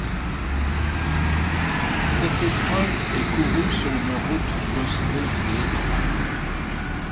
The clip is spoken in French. Cette épreuve est courue sur une route bosselée et étroite.